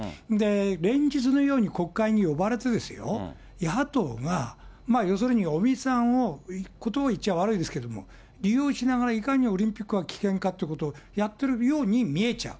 連日のように国会に呼ばれてですよ、野党が要するに尾身さんを、ことばは、言っちゃ悪いですけれども、利用しながらいかにオリンピックが危険かってことをやってるように見えちゃう。